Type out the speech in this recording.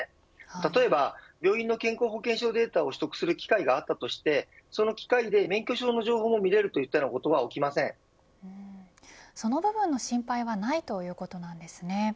例えば病院の健康保険証のデータを取得する場合があってその機械で免許証の情報を見れるその部分の心配はないということなんですね。